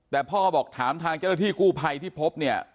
แต่พ่อบอกถามทางเจ้าหน้าที่กู้ภัยที่พบเนี่ย